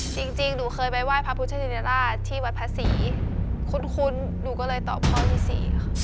จริงหนูเคยไปไหว้พระพุทธชินราชที่วัดพระศรีคุ้นหนูก็เลยตอบข้อที่สี่ค่ะ